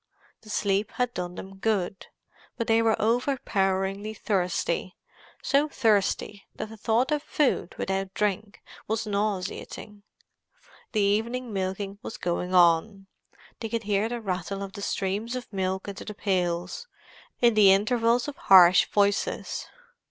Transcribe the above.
The sleep had done them good, but they were overpoweringly thirsty—so thirsty that the thought of food without drink was nauseating. The evening milking was going on; they could hear the rattle of the streams of milk into the pails, in the intervals of harsh voices.